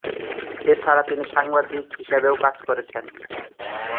এছাড়া তিনি সাংবাদিক হিসেবেও কাজ করছেন।